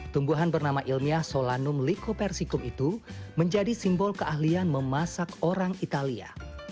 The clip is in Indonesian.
tumbuhan bernama ilmiah solanum lycopersicum itu menjadi simbol keahlian memasak orang italia